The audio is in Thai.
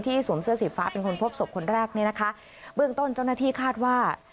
สวมเสื้อสีฟ้าเป็นคนพบศพคนแรกเนี่ยนะคะเบื้องต้นเจ้าหน้าที่คาดว่า